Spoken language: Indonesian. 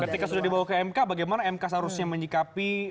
ketika sudah dibawa ke mk bagaimana mk seharusnya menyikapi